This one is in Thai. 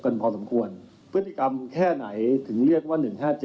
พอสมควรพฤติกรรมแค่ไหนถึงเรียกว่า๑๕๗